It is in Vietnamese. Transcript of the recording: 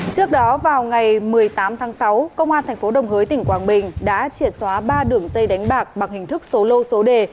trước đó vào ngày một mươi tám tháng sáu công an tp đồng hới tỉnh quảng bình đã triệt xóa ba đường dây đánh bạc bằng hình thức số lô số đề